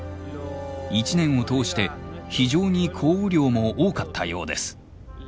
一年を通して非常に降雨量も多かったようです。